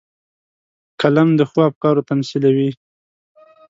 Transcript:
قلم د ښو افکارو تمثیلوي